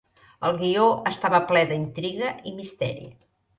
El guió estava ple d'intriga i misteri.